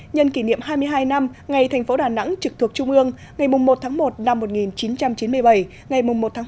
nhân kỷ niệm hai mươi hai năm ngày thành phố đà nẵng trực thuộc trung ương ngày một một một nghìn chín trăm chín mươi bảy ngày một một hai nghìn một mươi chín